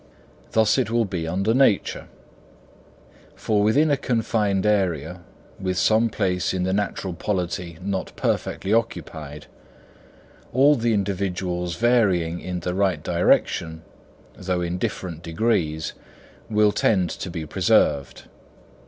Thus it will be under nature; for within a confined area, with some place in the natural polity not perfectly occupied, all the individuals varying in the right direction, though in different degrees, will tend to be preserved.